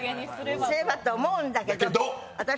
すればと思うんだけど。